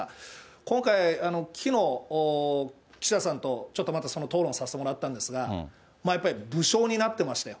今回、きのう記者さんとちょっとまたその討論をさせてもらったんですが、やっぱり武将になってましたよ。